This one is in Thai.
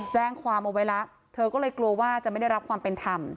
แจ้งความเอาไว้แล้วเธอก็เลยกลัวว่าจะไม่ได้รับความเป็นธรรม